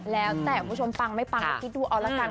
แล้วแต่คุณผู้ชมปังไม่ปังก็คิดดูเอาละกัน